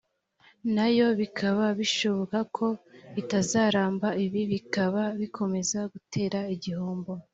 nayo bikaba bishoboka ko itazaramba ibi bikaba bikomeza gutera igihombo